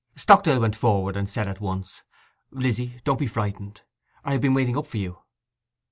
Stockdale went forward and said at once, 'Lizzy, don't be frightened. I have been waiting up for you.